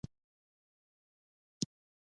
روایت باید د مظلوم شي.